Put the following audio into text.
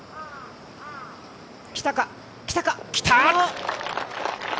来たか、来たか！来た！